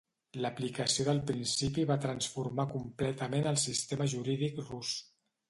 L'aplicació del principi va transformar completament el sistema jurídic rus.